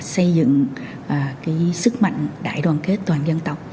xây dựng sức mạnh đại đoàn kết toàn dân tộc